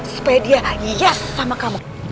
supaya dia hias sama kamu